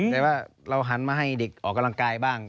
แต่ว่าเราหันมาให้เด็กออกกำลังกายบ้าง